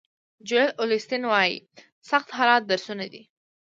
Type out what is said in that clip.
جویل اولیسټن وایي سخت حالات درسونه دي.